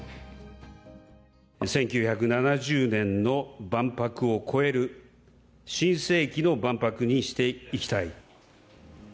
１９７０年の万博を超える、新世紀の万博にしていきたい。